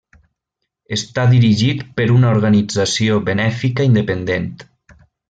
Està dirigit per una organització benèfica independent.